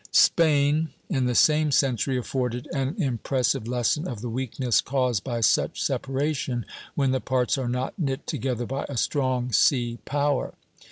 Spain, in the same century, afforded an impressive lesson of the weakness caused by such separation when the parts are not knit together by a strong sea power.